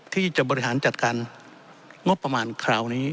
ที่จะบริหารจัดการงบประมาณคราวนี้